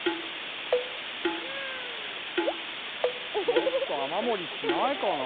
もっとあまもりしないかな。